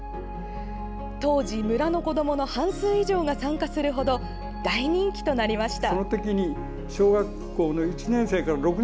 当時、村の子どもの半数以上が参加するほど大人気となりました。